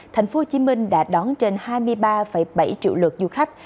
tp hcm đã đón trên hai mươi ba bảy triệu lượt du khách